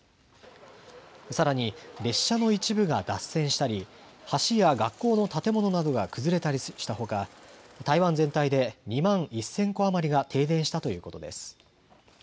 さらに列車の一部が脱線したり橋や学校の建物などが崩れたりしたほか台湾全体で２万１０００戸余りが停電したということです。